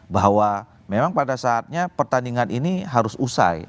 bahwa memang pada saatnya pertandingan ini harus usai